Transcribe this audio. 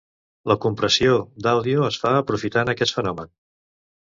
La compressió d'àudio es fa aprofitant aquest fenomen.